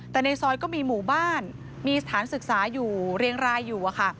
แต่ในซอยก็มีหมู่บ้านมีสถานศึกษาอยู่เรียงรายอยู่